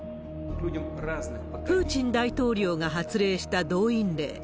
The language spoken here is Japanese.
プーチン大統領が発令した動員令。